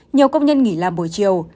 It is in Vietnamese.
nhiều công nhân nghỉ làm buổi chiều